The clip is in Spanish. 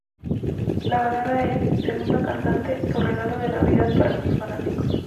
La balada es, según la cantante, su regalo de Navidad para sus fanáticos.